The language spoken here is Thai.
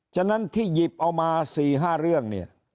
ฉะนั้นที่หยิบเอามา๔๕เรื่องเนี่ย